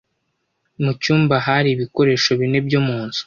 Mu cyumba hari ibikoresho bine byo mu nzu